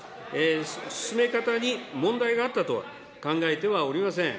進め方に問題があったとは考えてはおりません。